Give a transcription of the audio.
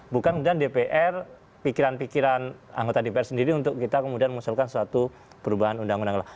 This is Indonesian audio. bukan kemudian dpr pikiran pikiran anggota dpr sendiri untuk kita kemudian mengusulkan suatu perubahan undang undang